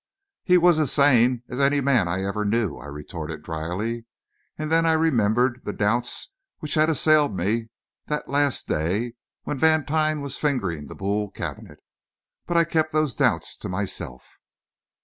"He was as sane as any man I ever knew," I retorted drily. And then I remembered the doubts which had assailed me that last day, when Vantine was fingering the Boule cabinet. But I kept those doubts to myself.